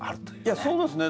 いやそうですね。